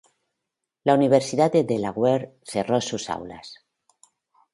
La Universidad de Delaware cerró sus aulas.